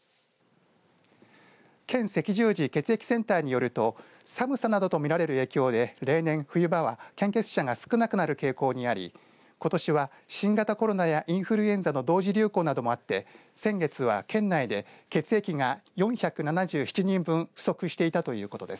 県赤十字血液センターによると寒さなどと見られる影響で例年冬場は献血者が少なくなる傾向にありことしは新型コロナやインフルエンザの同時流行などもあって先月は県内で血液が４７７人分不足していたということです。